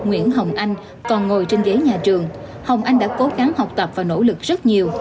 nguyễn hồng anh còn ngồi trên ghế nhà trường hồng anh đã cố gắng học tập và nỗ lực rất nhiều